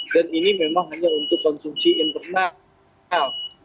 ini memang hanya untuk konsumsi internal